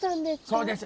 そうです。